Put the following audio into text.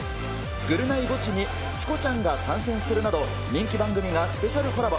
ぐるナイゴチにチコちゃんが参戦するなど、人気番組がスペシャルコラボ。